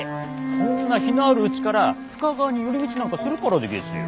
こんな日のあるうちから深川に寄り道なんかするからでげすよ。